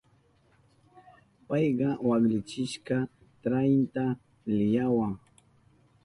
Payka waklichishka trahinta lihiyawa.